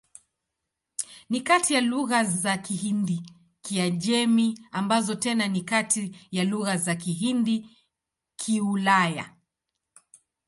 Ni kati ya lugha za Kihindi-Kiajemi, ambazo tena ni kati ya lugha za Kihindi-Kiulaya.